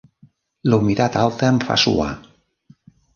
La humitat alta em fa suar.